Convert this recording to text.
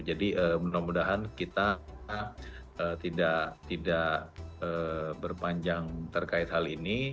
jadi mudah mudahan kita tidak berpanjang terkait hal ini